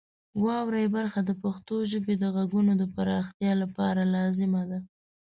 واورئ برخه د پښتو ژبې د غږونو د پراختیا لپاره لازمه ده.